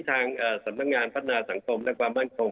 ทางสำนักงานพัฒนาสังคมและความมั่นคง